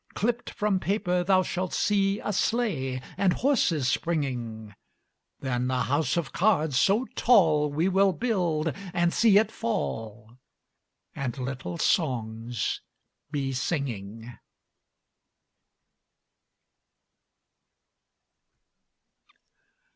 Clipped from paper thou shalt see A sleigh, and horses springing; Then a house of cards so tall We will build and see it fall, And little songs be singing.